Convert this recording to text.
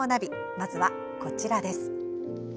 まずは、こちらです。